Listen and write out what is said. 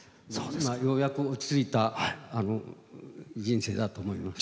ようやく落ち着いた人生だと思います。